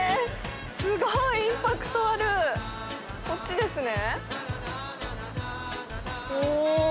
すごいインパクトあるこっちですね